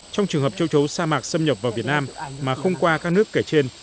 trong trường hợp châu chấu sa mạc xâm nhập vào việt nam mà không qua các nước kể trên